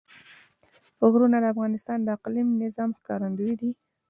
غرونه د افغانستان د اقلیمي نظام ښکارندوی ده.